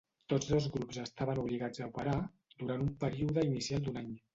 Tots dos grups estaven obligats a operar durant un període inicial d'un any.